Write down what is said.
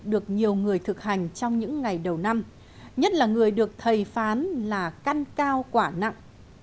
được nhiều người thực hành trong những ngày đầu năm nhất là người được thầy phán là căn cao quả nặng